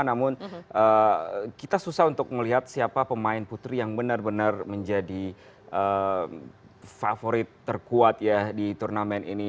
namun kita susah untuk melihat siapa pemain putri yang benar benar menjadi favorit terkuat ya di turnamen ini